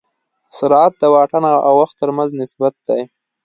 سرعت د واټن او وخت تر منځ نسبت دی.